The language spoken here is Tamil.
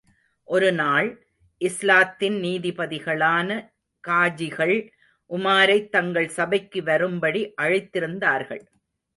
ஒருநாள், இஸ்லாத்தின் நீதிபதிகளான காஜிகள் உமாரைத் தங்கள் சபைக்கு வரும்படி அழைத்திருந்தார்கள்.